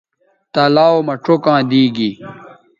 آ تلاؤ مہ چوکاں دی گی